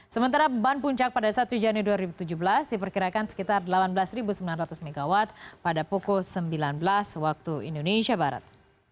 sementara beban puncak pada satu januari dua ribu tujuh belas diperkirakan sekitar delapan belas sembilan ratus mw pada pukul sembilan belas waktu indonesia barat